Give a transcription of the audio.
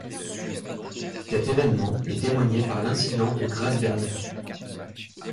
Cet évènement est témoigné par l’incident de Grâce-Berleur.